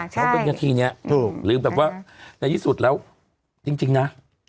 ใช่แล้วเป็นทีเนี้ยถูกหรือแบบว่าในที่สุดแล้วจริงจริงน่ะ